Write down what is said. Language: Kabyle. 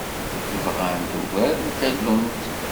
Bɣant ugar n tallunt.